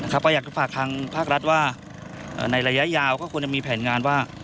ก็อยากจะฝากทางภาครัฐว่าในระยะยาวก็ควรจะมีแผนงานว่า